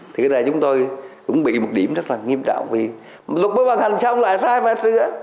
thì cái này chúng tôi cũng bị một điểm rất là nghiêm trọng vì luật mới ban hành xong lại sai phải sửa